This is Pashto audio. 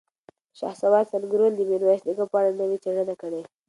شهسوار سنګروال د میرویس نیکه په اړه نوې څېړنه کړې.